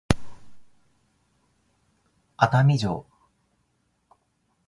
熱海城